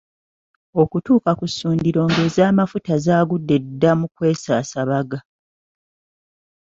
Okutuuka ku ssundiro ng’ez’amafuta zaagudde dda mu kwesaasabaga.